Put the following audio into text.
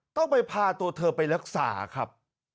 ต้องไปพาตัวเธอไปรักษาครับ